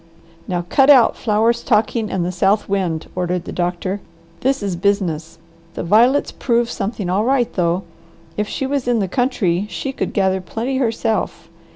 "Now cut out flowers talking and the South Wind!" ordered the doctor. "This is business. The violets prove something all right, though. If she was in the country, she could gather plenty herself.